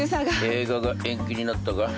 映画が延期になったか？